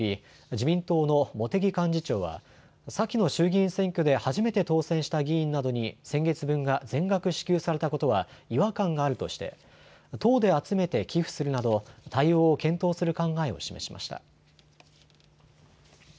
自民党の茂木幹事長は先の衆議院選挙で初めて当選した議員などに先月分が全額支給されたことは違和感があるとして党で集めて寄付するなど対応を検討する考えを示しました。